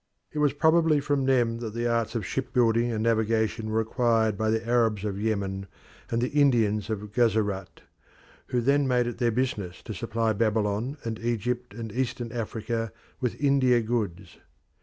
It as probably from them that the arts of shipbuilding and navigation were acquired by the Arabs of Yemen and the Indians of Guzerat, who then made it their business to supply Babylon and Egypt and Eastern Africa with India goods.